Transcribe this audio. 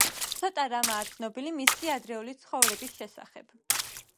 ცოტა რამაა ცნობილი მისი ადრეული ცხოვრების შესახებ.